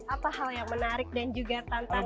apa hal yang menarik dan juga tantangan